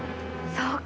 そうか！